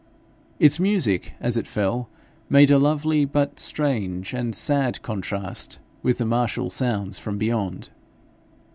Its music as it fell made a lovely but strange and sad contrast with the martial sounds from beyond.